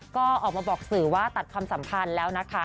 ก็ออกมาบอกสื่อว่าตัดความสัมพันธ์แล้วนะคะ